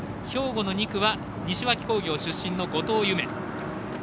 兵庫の２区は西脇工業出身の後藤夢。